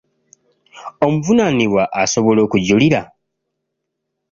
Omuvunaanibwa asobola okujulira.